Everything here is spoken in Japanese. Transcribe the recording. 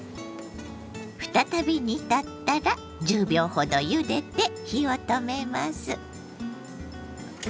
再び煮立ったら１０秒ほどゆでて火を止めます。